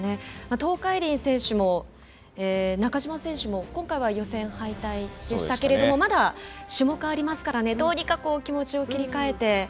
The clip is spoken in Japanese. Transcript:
東海林選手も中島選手も今回は予選敗退でしたがまだ、種目があるのでどうにか気持ちを切り替えて。